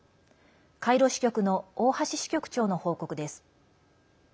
カイロ支局の大橋支局長の報告です。